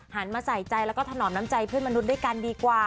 มาใส่ใจแล้วก็ถนอมน้ำใจเพื่อนมนุษย์ด้วยกันดีกว่า